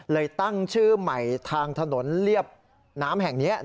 ตั้งชื่อใหม่ทางถนนเรียบน้ำแห่งนี้